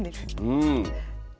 うん。